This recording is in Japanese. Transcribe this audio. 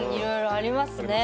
ありますね。